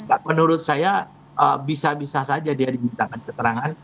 jadi menurut saya bisa bisa saja dia dimintakan keterangan